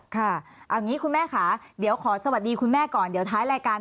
ค่ะเอาอย่างนี้คุณแม่ค่ะเดี๋ยวขอสวัสดีคุณแม่ก่อนเดี๋ยวท้ายรายการ